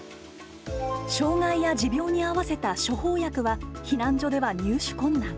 障害や持病に合わせた処方薬は避難所では入手困難。